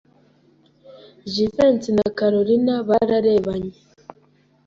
Jivency na Kalorina bararebanye.